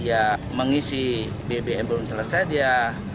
ya mengisi bbm belum selesai dia